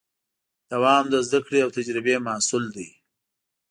دوام د زدهکړې او تجربې محصول دی.